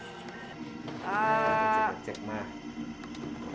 ah ada cepat cepat